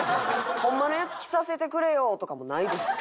ホンマのやつ着させてくれよ！とかもないです。